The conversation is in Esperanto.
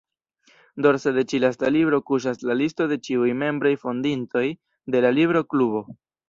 Dorse de ĉi-lasta libro kuŝas la listo de ĉiuj membroj-fondintoj de la Libro-Klubo.